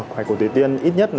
một cụ thủy tiên ít nhất